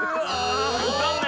残念。